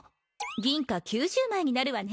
銀貨９０枚になるわね